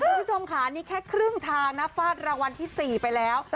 คุณผู้ชมค่ะนี่แค่ครึ่งทางนะฟาดรางวัลที่๔ไปแล้ว